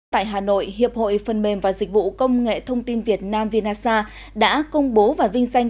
tại hà nội hiệp hội phần mềm và dịch vụ công nghệ thông tin việt nam vnasa đã công bố và vinh danh